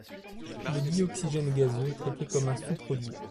Le dioxygène gazeux est traité comme un sous-produit.